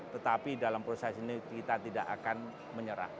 tetapi dalam proses ini kita tidak akan menyerah